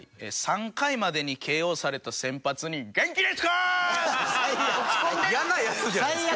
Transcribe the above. ３回までにＫＯされた先発に「元気ですかー？」。最悪！